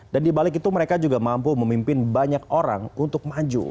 dan dibalik itu mereka juga mampu memimpin banyak orang untuk maju